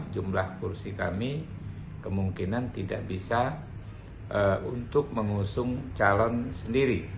jumlah kursi kami kemungkinan tidak bisa untuk mengusung calon sendiri